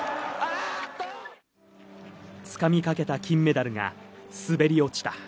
掴みかけた金メダルが滑り落ちた。